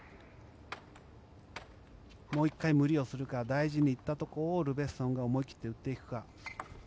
もう１回無理をするか大事に行ったところをルベッソンが思い切って打っていくか。